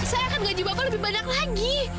saya akan gaji bapak lebih banyak lagi